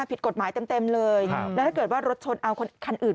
ผิดกฎหมายเต็มเลยแล้วถ้าเกิดว่ารถชนเอาคันอื่น